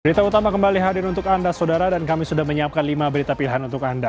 berita utama kembali hadir untuk anda saudara dan kami sudah menyiapkan lima berita pilihan untuk anda